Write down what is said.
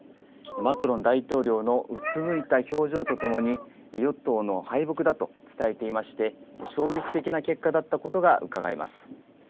マクロン大統領のうつむいた表情とともに与党の敗北だと伝えていまして衝撃的な結果だったことがうかがえます。